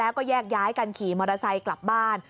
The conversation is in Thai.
แล้วก็แยกย้ายกันขี่มอเตอร์ไซค์กลับบ้าน